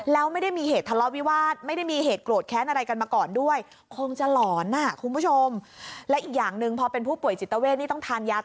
แล้วไม่ได้มีเหตุทะเลาวิวาสไม่ได้มีเหตุโกรธแค้นอะไรกันมาก่อนด้วยคงจะหลอนน่ะคุณผู้ชม